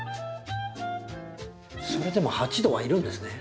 それでも８℃はいるんですね。